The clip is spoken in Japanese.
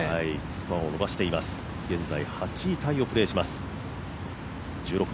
スコアを伸ばしています、現在８位タイをプレーしています。